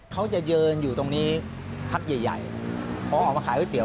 เขาจะเยินอยู่ตรงนี้พักใหญ่เพราะออกมาขายผัดเตี๋ยว